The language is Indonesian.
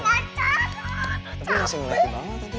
tapi masih lelaki banget tante